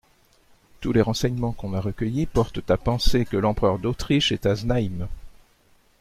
Tous les renseignemens qu'on a recueillis portent à penser que l'empereur d'Autriche est à Znaïm.